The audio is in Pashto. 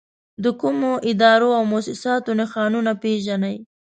د کومو ادارو او مؤسساتو نښانونه پېژنئ؟